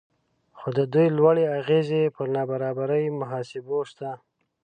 خو د دوی لوړې اغیزې پر نابرابرۍ محاسبو شته